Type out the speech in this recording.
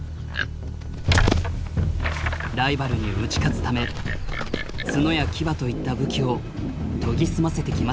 ライバルに打ち勝つため角や牙といった武器を研ぎ澄ませてきました。